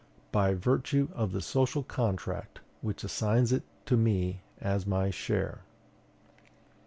By virtue of the social contract which assigns it to me as my share.